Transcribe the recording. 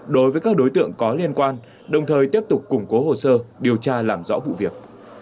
đối với các đối tượng có liên quan đồng thời tiếp tục củng cố hồ sơ điều tra làm rõ vụ việc